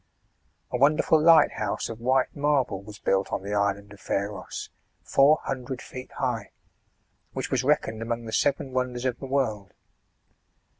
A wonderful lighthouse, of white marble, was built on the island of Pharos, four hundred feet high, which was reckoned among the seven wonders of the world.